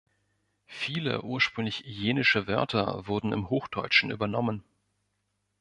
Viele ursprünglich Jenische Wörter wurden im Hochdeutschen übernommen.